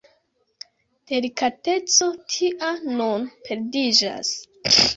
Delikateco tia nun perdiĝas.